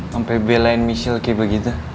sampe belain michelle kaya begitu